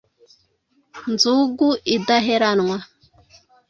Nzugu idaheranwa